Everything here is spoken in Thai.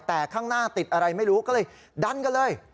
แต่ข้างหน้าติดอะไรไม่รู้ก็เลยดันกันเลย